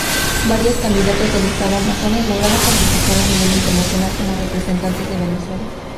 Varias candidatas del estado Amazonas lograron participar a nivel internacional como representantes de Venezuela.